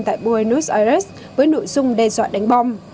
tại buenos aires với nội dung đe dọa đánh bom